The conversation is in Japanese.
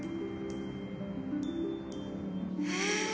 へえ。